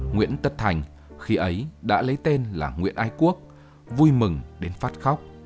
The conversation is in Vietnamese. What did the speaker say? nguyễn tất thành khi ấy đã lấy tên là nguyễn ai quốc vui mừng đến phát khóc